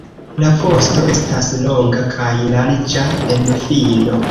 La vosto estas longa kaj larĝa en fino.